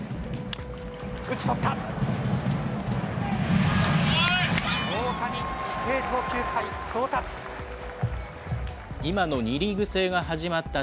打ち取った！